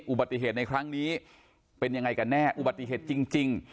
อุบัติเหตุในครั้งนี้เป็นยังไงกันแน่อุบัติเหตุจริง